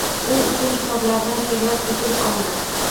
U uchun kitoblardan she’rlar ko‘chirib olmadi.